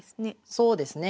そうですね。